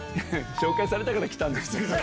紹介されたから来たんですよ